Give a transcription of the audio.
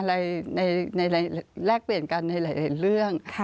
ในแลกเปลี่ยนกันในหลายเรื่อง